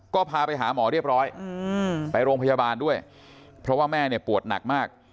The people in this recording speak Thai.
ก็พาไปหาหมอเรียบร้อยไปโรงพยาบาลด้วยเพราะว่าแม่เนี่ยปวดหนักมาก